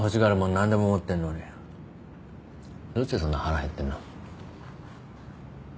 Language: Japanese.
何でも持ってんのにどうしてそんな腹減ってんの？